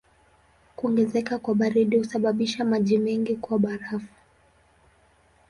Kuongezeka kwa baridi husababisha maji mengi kuwa barafu.